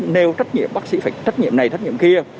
nêu trách nhiệm bác sĩ phải trách nhiệm này trách nhiệm kia